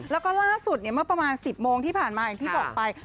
แล้วก็ล่าสุดเมื่อประมาณ๑๐โมงที่ผ่านมาอย่างที่บอกไป